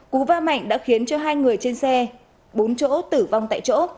cú va mạnh đã khiến cho hai người trên xe bốn chỗ tử vong tại chỗ